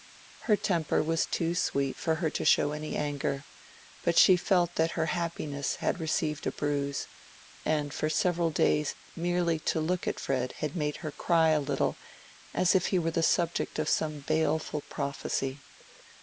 Her temper was too sweet for her to show any anger, but she felt that her happiness had received a bruise, and for several days merely to look at Fred made her cry a little as if he were the subject of some baleful prophecy.